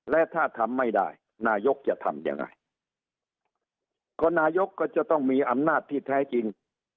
และถ้าทำไม่ได้นายกจะทำยังไงก็นายกก็จะต้องมีอำนาจที่แท้จริง